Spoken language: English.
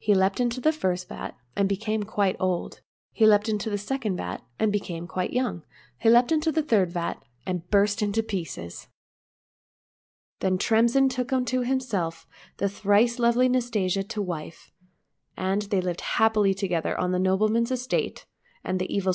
He leaped into the first vat, and became quite old ; he leaped into the second vat, and became quite young ; he leaped into the third vat, and burst to pieces. Then Tremsin took unto himself the thrice lovely Nastasia to wife, and they lived happily together on the nobleman's estate, and the ev